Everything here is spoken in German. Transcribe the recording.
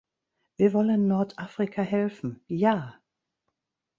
Wir wollen Nordafrika helfen, ja!